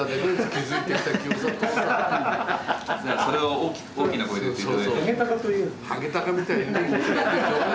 それを大きな声で言って頂いても。